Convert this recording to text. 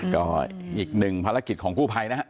ก็อีกหนึ่งภารกิจของกู้ภัยนะฮะ